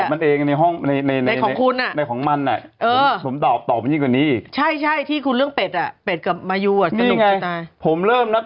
อันนี้ผมนับไม่อันยาวยาวเลยนะ